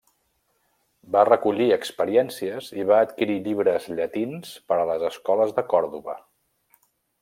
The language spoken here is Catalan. Va recollir experiències i va adquirir llibres llatins per a les escoles de Còrdova.